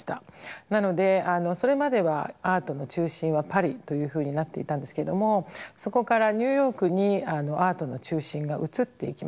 なのでそれまではアートの中心はパリというふうになっていたんですけどもそこからニューヨークにアートの中心が移っていきます。